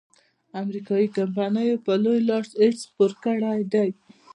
امریکایي کمپینو په لوی لاس ایډز خپور کړیدی.